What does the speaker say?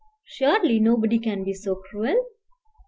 Surely nobody can be so cruel?"